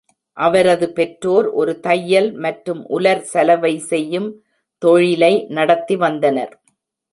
அவரது பெற்றோர் ஒரு தையல் மற்றும் உலர் சலவை செய்யும் தொழிலை நடத்தி வந்தனர்.